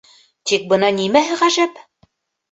Тик бына нимәһе ғәжәп.